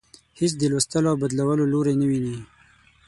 هیڅ د لوستلو او بدلولو لوری نه ويني.